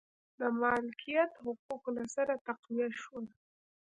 د مالکیت حقوق له سره تقویه شول.